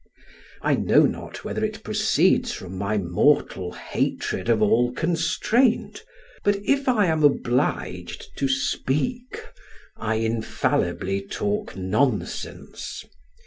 I know not whether it proceeds from my mortal hatred of all constraint; but if I am obliged to speak, I infallibly talk nonsense.